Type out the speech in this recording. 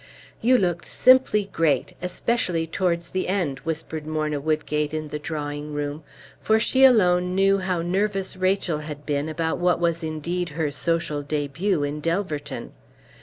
"You looked simply great especially towards the end," whispered Morna Woodgate in the drawing room, for she alone knew how nervous Rachel had been about what was indeed her social debut in Delverton.